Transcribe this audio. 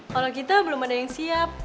kalau kita belum ada yang siap